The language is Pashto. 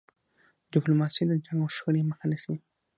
ډيپلوماسي د جنګ او شخړې مخه نیسي.